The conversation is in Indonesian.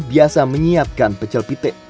biasa menyiapkan pecel pite